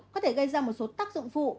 có thể gây ra một số tác dụng phụ